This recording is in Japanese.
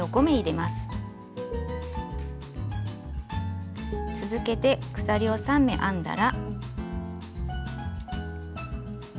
また鎖を３目編んだら。